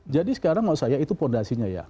jadi sekarang kalau saya itu fondasinya ya